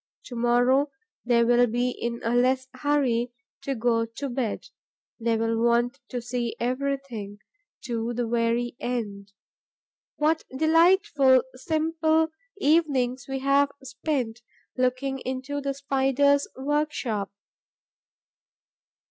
To morrow, they will be in a less hurry to go to bed: they will want to see everything, to the very end. What delightful, simple evenings we have spent looking into the Spider's workshop!